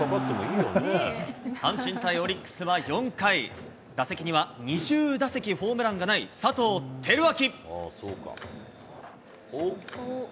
阪神対オリックスは４回、打席には２０打席ホームランがない佐藤輝明。